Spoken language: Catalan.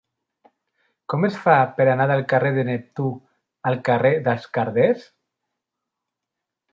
Com es fa per anar del carrer de Neptú al carrer dels Carders?